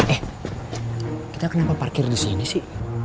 eh kita kenapa parkir di sini sih